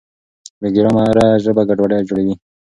بې ګرامره ژبه ګډوډي جوړوي.